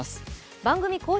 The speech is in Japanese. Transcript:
番組公式